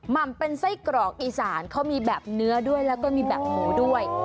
ม่ำเป็นไส้กรอกอีสานเขามีแบบเนื้อด้วยแล้วก็มีแบบหมูด้วย